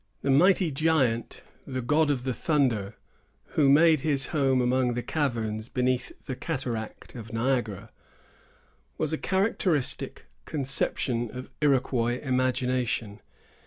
The mighty giant, the God of the Thunder, who made his home among the caverns, beneath the cataract of Niagara, was a characteristic conception of Iroquois imagination.